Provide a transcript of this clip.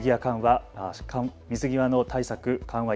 水際の対策、緩和